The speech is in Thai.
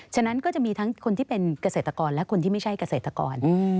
ฉะนั้นก็จะมีทั้งคนที่เป็นเกษตรกรและคนที่ไม่ใช่เกษตรกร